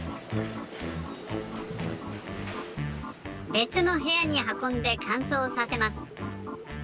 べつのへやにはこんでかんそうさせます。